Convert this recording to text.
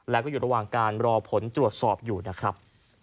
แล้วก็อยู่ระหว่างการรอผลตรวจสอบอยู่นะครับ